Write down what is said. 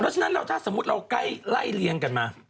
แล้วฉะนั้นถ้าสมมุติเราใกล้ไล่เลี้ยงกันมา